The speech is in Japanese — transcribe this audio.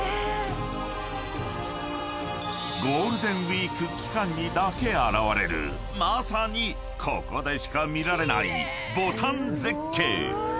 ［ゴールデンウイーク期間にだけ現れるまさにここでしか見られない牡丹絶景］